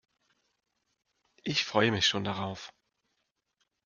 Ich freue mich schon darauf.